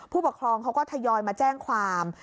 ผู้ปกครองเขาก็ทยอยมาแจ้งความ